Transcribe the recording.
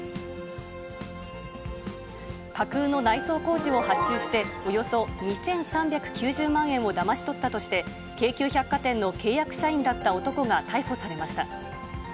架空の内装工事を発注して、およそ２３９０万円をだまし取ったとして、京急百貨店の契約社員だった男が逮捕されました。